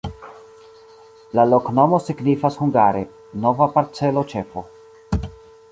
La loknomo signifas hungare: nova-parcelo-ĉefo.